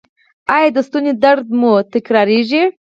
ایا د ستوني درد مو تکراریږي؟